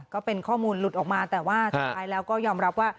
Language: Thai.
ก็เป็นข้อมูลหลุดออกมาแต่ว่าสุดท้ายแล้วก็ยอมรับว่า